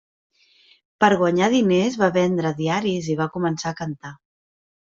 Per a guanyar diners va vendre diaris i va començar a cantar.